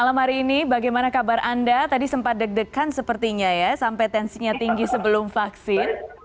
malam hari ini bagaimana kabar anda tadi sempat deg degan sepertinya ya sampai tensinya tinggi sebelum vaksin